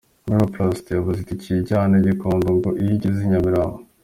Miroplast yabuze itike iyivana i Gikondo ngo iyigeze i Nyamirambo.